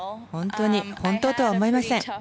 本当とは思えません。